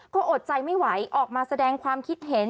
ก็อดใจไม่ไหวออกมาแสดงความคิดเห็น